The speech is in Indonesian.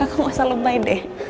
aku gak usah lembay deh